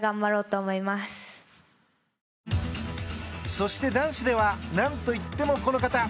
そして男子では何といってもこの方。